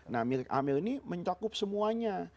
nah milik amel ini mencakup semuanya